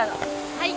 はい。